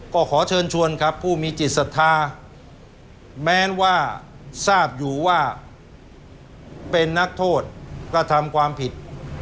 ก็ขอเชิญชวนครับผู้มีจิตศรัทธาแม้ว่าทราบอยู่ว่าเป็นนักโทษกระทำความผิด